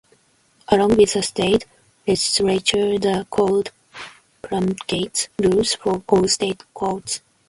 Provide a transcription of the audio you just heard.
Along with the state legislature, the court promulgates rules for all state courts.